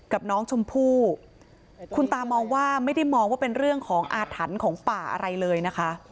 กับน้องชมพู่คุณตามองว่าไม่ได้มองว่าเป็นเรื่องของอาถรรพ์ของป่าอะไรเลยนะคะ